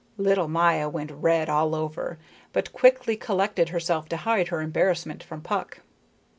Little Maya went red all over, but quickly collected herself to hide her embarrassment from Puck.